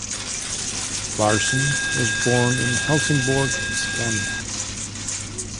Larsson was born in Helsingborg, Scania.